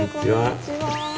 こんにちは。